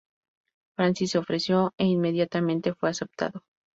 Francis se ofreció e inmediatamente fue aceptado.